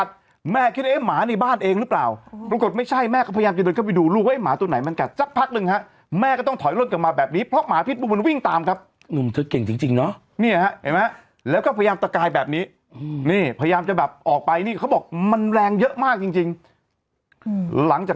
เราต้องรู้ว่าเราเลี้ยงดูเขาได้เราไม่ไปทำร้ายคนอื่นได้จริงหรือเปล่า